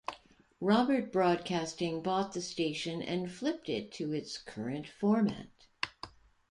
Robbert Broadcasting bought the station and flipped it to its current format.